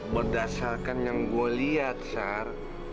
berdasarkan yang gue lihat sar